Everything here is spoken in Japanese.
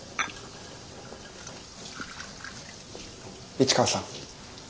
市川さん。